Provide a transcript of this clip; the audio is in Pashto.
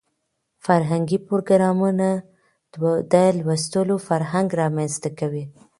فرهنګي پروګرامونه د لوستلو فرهنګ رامنځته کوي.